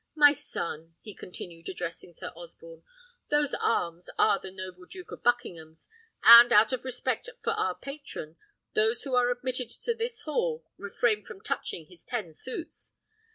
My son," he continued, addressing Sir Osborne, "those arms are the noble Duke of Buckingham's, and out of respect for our patron, those who are admitted to this hall refrain from touching his ten suits.